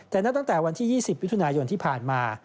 แต่นักตั้งแต่วันที่๒๐วิทยาลัยโยนที่ผ่านมา